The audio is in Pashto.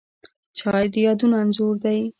چای د یادونو انځور دی